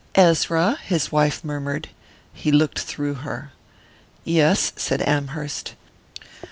"Ezra " his wife murmured: he looked through her. "Yes," said Amherst.